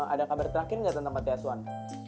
ada kabar terakhir gak tentang kata suan